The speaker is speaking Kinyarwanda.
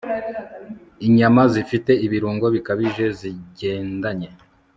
Inyama zifite ibirungo bikabije zigendanye